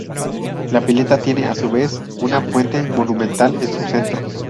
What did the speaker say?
La pileta tiene a su vez una fuente monumental en su centro.